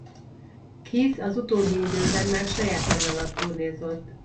Keith az utóbbi időkben már saját neve alatt turnézott.